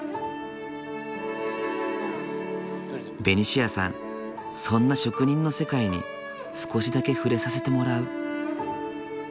ベニシアさんそんな職人の世界に少しだけ触れさせてもらう。